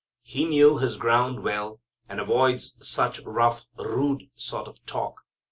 He knew his ground well, and avoids such rough, rude sort of talk.